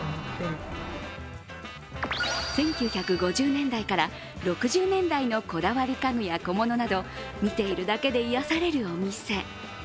１９５０年代から６０年代のこだわり家具や小物など見ているだけで癒やされるお店。